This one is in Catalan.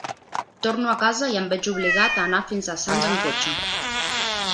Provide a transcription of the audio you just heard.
Torno a casa i em veig obligat a anar fins a Sants en cotxe.